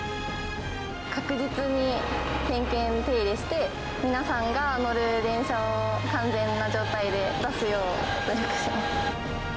確実に点検・手入れして、皆さんが乗る電車を完全な状態で出すよう努力します。